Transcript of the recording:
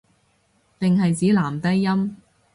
定係指男低音